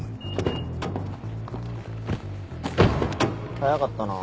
早かったな。